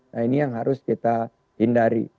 nah ini yang harus kita hindari